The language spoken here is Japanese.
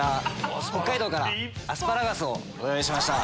北海道からアスパラガスをご用意しました。